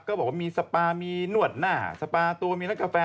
ก็บอกว่ามีสปามีนวดหน้าสปาตัวมีนักกาแฟ